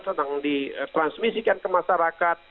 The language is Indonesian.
sedang ditransmisikan ke masyarakat